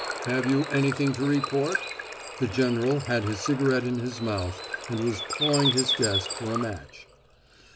"Have you anything to report?" The general had his cigarette in his mouth and was pawing his desk for a match.